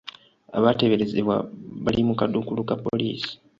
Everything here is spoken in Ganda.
Abateeberezebwa bali mu kaduukulu ka poliisi.